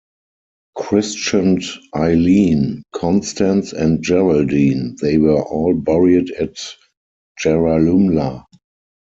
Christened Ayleen, Constance and Geraldine, they were all buried at Yarralumla.